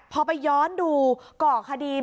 พอไปย้อนดูเกาะคดีไว้